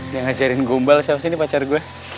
ya ngajarin gumbel sih apa sini pacar gue